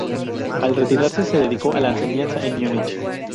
Al retirarse se dedicó a la enseñanza en Múnich.